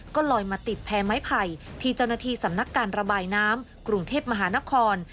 ก็ลอยมาติดแพรไม้ไผ่ที่เจ้าหน้าที่สำนักการระบายน้ำกรุงเทพมหานคร